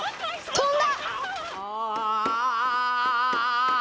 飛んだ！